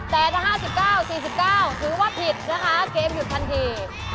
แต่ถ้า๕๙๔๙ถือว่าผิดนะคะเกมหยุดทันที